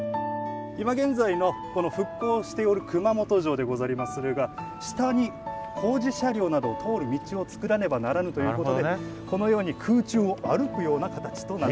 今現在のこの復興をしておる熊本城でござりまするが下に工事車両など通る道を作らねばならぬということでこのように空中を歩くような形となっております。